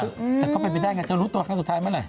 แต่ก็เป็นไปได้ไงเธอรู้ตัวครั้งสุดท้ายเมื่อไห